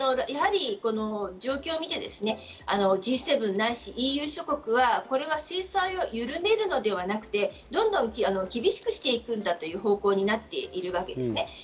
やはり状況を見てＧ７ないしＥＵ諸国はこれは制裁をゆるめるのではなくて、どんどん厳しくしていくんだという方向になっているわけですね。